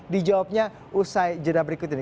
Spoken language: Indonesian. dijawabnya usai jeda berikut ini